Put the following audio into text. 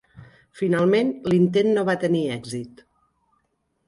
Finalment, l'intent no va tenir èxit.